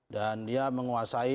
dan dia menguasai